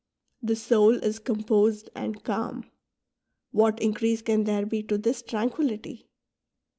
The soul is composed and calm ; what increase can there be to this tranquillity